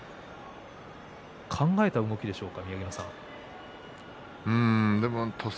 考えた動きでしょうか？